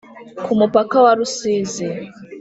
Ku mupaka wa rusizi